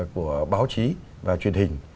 của báo chí và truyền hình